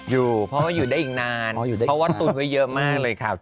อยู่เพราะว่าอยู่ได้อีกนานเพราะว่าตุนไว้เยอะมากเลยค่ะ